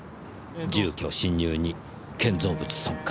住居侵入に建造物損壊。